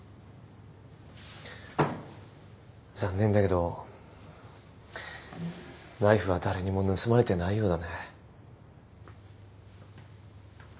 残念だけどナイフは誰にも盗まれてないようだね。